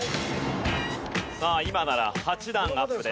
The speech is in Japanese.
さあ今なら８段アップです。